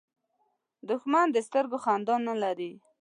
دښمن د سترګو خندا نه لري